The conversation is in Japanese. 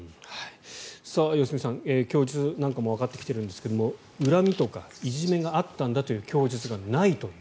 良純さん、供述なんかもわかってきているんですが恨みとかいじめがあったんだという供述がないという。